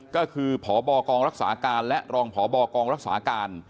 ก็คือพบกองรักษาการและรองพบกองรักษาการ